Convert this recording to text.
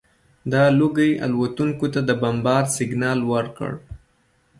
دا لوګي الوتکو ته د بمبارۍ سګنال ورکړ